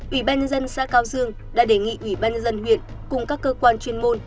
ủy ban nhân dân xã cao dương đã đề nghị ủy ban nhân dân huyện cùng các cơ quan chuyên môn